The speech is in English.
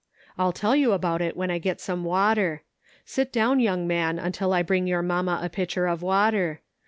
I'll tell you about it when I get some water ; sit down, young man, until I bring your mamma a pitcher of water.